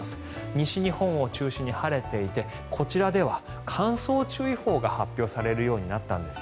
西日本を中心に晴れていてこちらでは乾燥注意報が発表されるようになったんです。